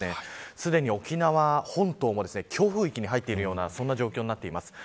すでに沖縄本島も強風域に入っているようなそんな状況になっています。